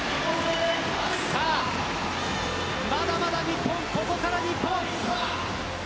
まだまだ日本、ここから日本。